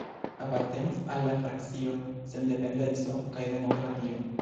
Apartenis al la Frakcio Sendependeco kaj Demokratio.